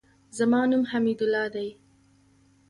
زما نوم حمیدالله دئ.